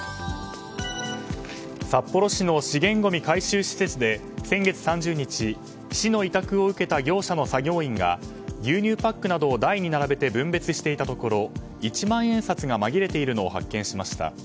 札幌市の資源ごみ回収施設で先月３０日市の委託を受けた業者の作業員が牛乳パックなどを台に並べて分別していたところ一万円札が紛れているのを発見しました。